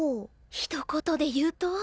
ひと言で言うと？